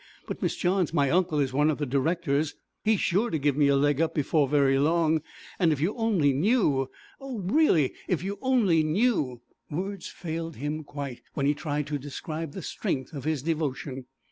But, Miss Johns, my uncle is one of the directors; he's sure to give me a leg up before very long, and if you only knew oh! really if you only knew ,' words failed him quite when he tried to describe the strength of his devotion.